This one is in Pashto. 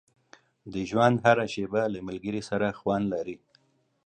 • د ژوند هره شېبه له ملګري سره خوند لري.